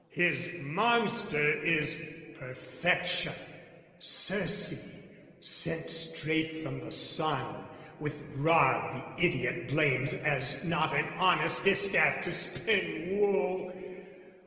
His monster is perfection, Circe, sent Straight from the sun, with rod the idiot blames As not an honest distaff to spin wool!